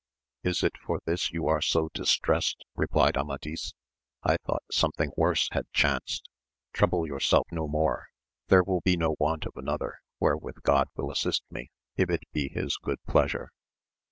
Is it for this you are so distressed 1 replied Amadis, I thought something worse had chanced; trouble yourself no more, there will be no want of another wherewith God will assist me, if it be his good pleasure.